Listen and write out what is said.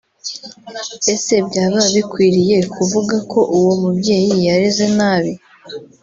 Ese byaba bikwiriye kuvuga ko uwo mubyeyi yareze nabi